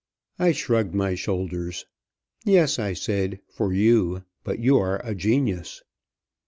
I shrugged my shoulders. "Yes," I said, "for you. But you are a genius."